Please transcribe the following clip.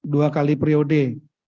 dua kali periode